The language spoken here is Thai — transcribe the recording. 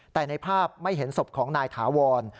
แต่ในภาพไม่เห็นศพของนายถาวร